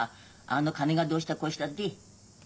「あの金がどうしたこうした」っで。